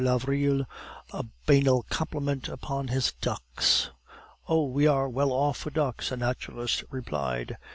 Lavrille a banal compliment upon his ducks. "Oh, we are well off for ducks," the naturalist replied.